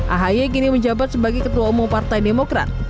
ahy kini menjabat sebagai ketua umum partai demokrat